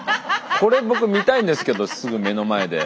これ僕見たいんですけどすぐ目の前で。